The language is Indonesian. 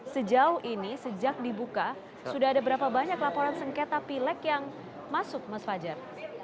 sejauh ini sejak dibuka sudah ada berapa banyak laporan sengketa pilek yang masuk mas fajar